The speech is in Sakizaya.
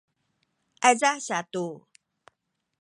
ayza satu